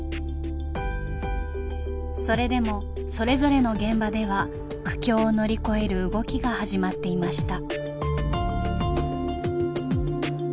それでもそれぞれの現場では苦境を乗り越える動きが始まっていました。